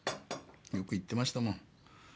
よく言ってましたもん。